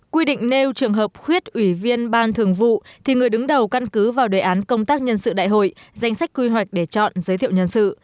quy định nêu trường hợp khuyết ủy viên ban thường vụ thì người đứng đầu căn cứ vào đề án công tác nhân sự đại hội danh sách quy hoạch để chọn giới thiệu nhân sự